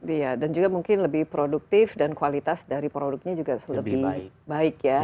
iya dan juga mungkin lebih produktif dan kualitas dari produknya juga lebih baik ya